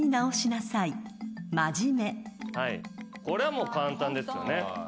これはもう簡単ですよね。